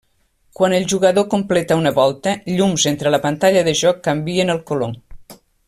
Quan el jugador completa una volta, llums entre la pantalla de joc canvien el color.